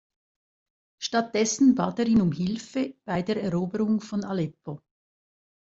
Stattdessen bat er ihn um Hilfe bei der Eroberung von Aleppo.